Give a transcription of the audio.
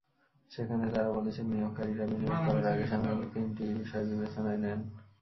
সেখানে তারা বলছে, বিনিয়োগকারীরা বিনিয়োগ করার আগে সাধারণত তিনটি বিষয় বিবেচনায় নেন।